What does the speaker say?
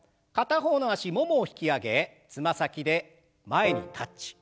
片方の脚ももを引き上げつま先で前にタッチ。